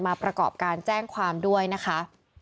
ประกอบการแจ้งความด้วยนะคะ